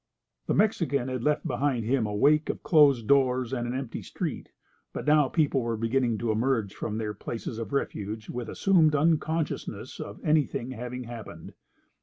The Mexican had left behind him a wake of closed doors and an empty street, but now people were beginning to emerge from their places of refuge with assumed unconsciousness of anything having happened.